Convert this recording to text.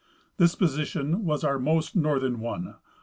This position was our most northern one.